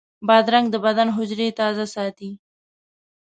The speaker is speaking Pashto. بادرنګ د بدن حجرې تازه ساتي.